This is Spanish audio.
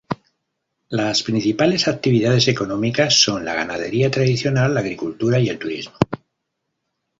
Las principales actividades económicas son la ganadería tradicional, la agricultura y el turismo.